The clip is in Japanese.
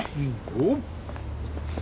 おっ！